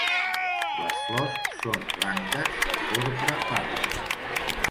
Les flors són blanques a porpra pàl·lid.